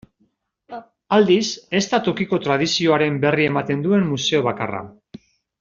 Aldiz, ez da tokiko tradizioaren berri ematen duen museo bakarra.